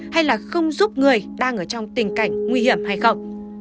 hay là không giúp người đang ở trong tình cảnh nguy hiểm hay không